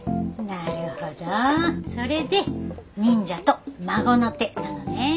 なるほどそれで忍者と孫の手なのね。